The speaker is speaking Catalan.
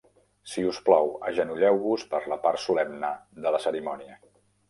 Si us plau, agenolleu-vos per la part solemne de la cerimònia.